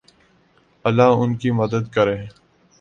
اللہ ان کی مدد کرے